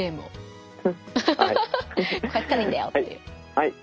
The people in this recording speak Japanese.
はい。